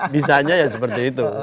bisanya ya seperti itu